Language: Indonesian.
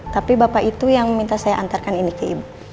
tapi bapak itu yang minta saya antarkan ini ke ibu